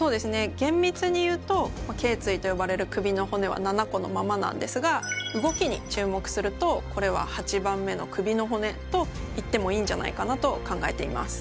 げんみつに言うと頸椎と呼ばれる首の骨は７個のままなんですが動きに注目するとこれは８番目の首の骨と言ってもいいんじゃないかなと考えています。